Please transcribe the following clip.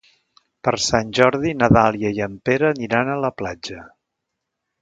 Per Sant Jordi na Dàlia i en Pere aniran a la platja.